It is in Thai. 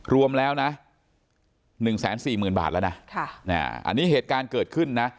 รวมแล้วนะ๑๔๐๐๐บาทแล้วนะอันนี้เหตุการณ์เกิดขึ้นนะ